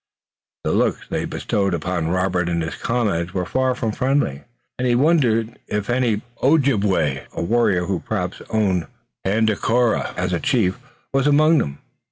The looks they bestowed upon Robert and his comrades were far from friendly, and he wondered if any Ojibway, a warrior who perhaps owned Tandakora as a chief, was among them.